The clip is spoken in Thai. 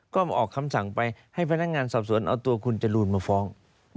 ก็ออกคำสั่งไปให้พนักงานสอบสวนเอาตัวคุณจรูนมาฟ้อง